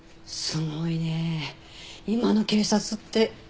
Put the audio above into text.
すごいね今の警察って。